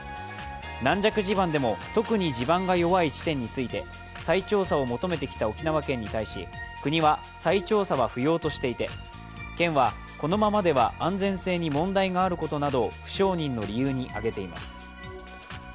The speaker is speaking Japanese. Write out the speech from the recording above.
軟弱地盤でも特に地盤が弱い地点について再調査を求めてきた沖縄県に対し国は再調査は不要としていて県はこのままでは、安全性に問題があることなどを不承認の理由に挙げています。